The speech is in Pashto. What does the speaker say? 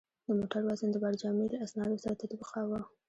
د موټر وزن د بارجامې له اسنادو سره تطبیقاوه.